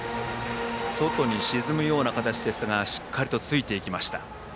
外に沈むような形ですがしっかりついていきました。